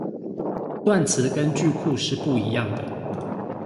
斷詞跟句庫是不一樣的